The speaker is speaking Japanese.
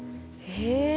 へえ。